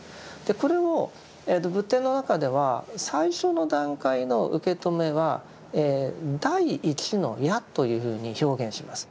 これを仏典の中では最初の段階の受け止めは「第一の矢」というふうに表現します。